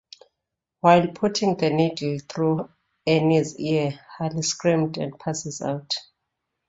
While putting the needle through Annie's ear, Hallie screams and passes out.